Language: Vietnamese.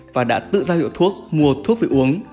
và đã tự ra hiệu thuốc mua thuốc về uống